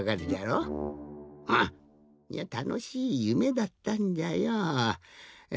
うん！いやたのしいゆめだったんじゃよ。え。